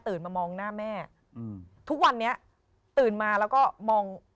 มามองหน้าแม่อืมทุกวันนี้ตื่นมาแล้วก็มอง